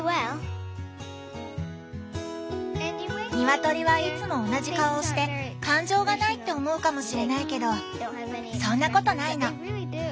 ニワトリはいつも同じ顔をして感情がないって思うかもしれないけどそんなことないの。